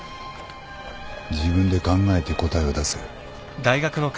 自分で考えて答えを出せ。